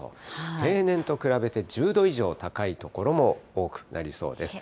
例年と比べて１０度以上高い所も多くなりそうです。